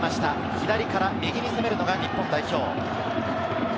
左から右に攻めるのが日本代表。